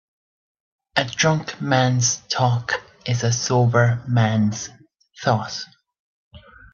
A drunk man's talk is a sober man's thought.